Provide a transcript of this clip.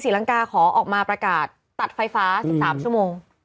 ลังกาขอออกมาประกาศตัดไฟฟ้า๑๓ชั่วโมง